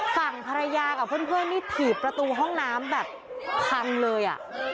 ฝั่งภรรยากับเพื่อนนี่ถีบประตูห้องน้ำแบบพังเลยอ่ะ